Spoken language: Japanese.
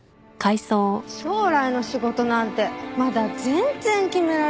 将来の仕事なんてまだ全然決められないよ。